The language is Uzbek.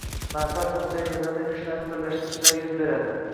manfaat nuqtayi nazaridan kuchlarni birlashtirishlari yuz beradi.